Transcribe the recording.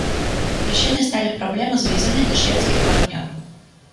Прычынай сталі праблемы з візамі для шведскіх партнёраў.